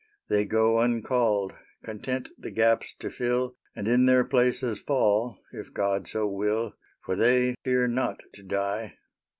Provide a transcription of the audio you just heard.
They go uncalled, content the gaps to fill, And in their places fall, if God so will, For they fear not to die.